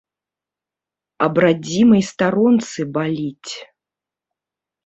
Аб радзімай старонцы баліць!